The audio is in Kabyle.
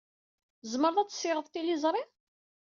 Tzemred ad tessiɣed tiliẓri?